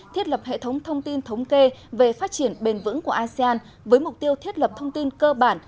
thiết lập hệ thống thông tin thống kê về phát triển bền vững của asean với mục tiêu thiết lập thông tin cơ bản